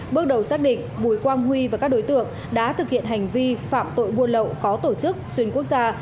bước đầu xác định bùi quang huy và các đối tượng đã thực hiện hành vi phạm tội buôn lậu có tổ chức xuyên quốc gia